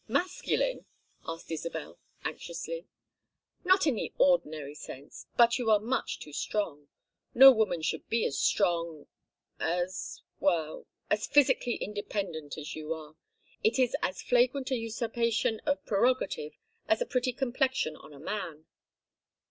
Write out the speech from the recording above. Masculine?" asked Isabel, anxiously. "Not in the ordinary sense; but you are much too strong. No woman should be as strong as, well as psychically independent as you are. It is as flagrant a usurpation of prerogative as a pretty complexion on a man."